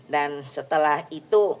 dan setelah itu